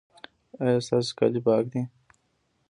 ایا ستاسو کالي پاک دي؟